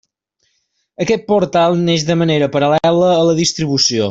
Aquest portal neix de manera paral·lela a la distribució.